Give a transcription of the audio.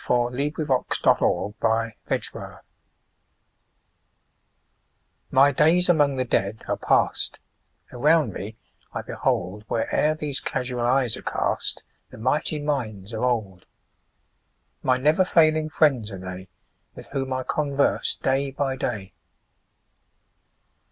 1774–1843 556. His Books MY days among the Dead are past; Around me I behold, Where'er these casual eyes are cast, The mighty minds of old: My never failing friends are they, 5 With whom I converse day by day.